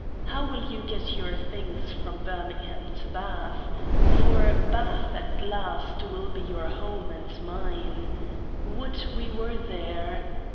How will you get your Things from Birmingham to Bath ? for Bath at last will be your home and mine : Would we were there